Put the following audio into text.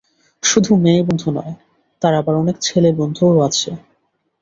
শুধু মেয়ে বন্ধু নয়, তার আবার অনেক ছেলেবন্ধুও আছে।